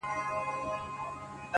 درومم چي له ښاره روانـــــېـــږمــــه ـ